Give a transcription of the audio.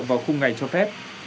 vào khung ngày cho phép